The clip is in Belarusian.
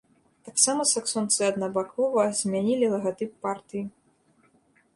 Таксама саксонцы аднабакова змянілі лагатып партыі.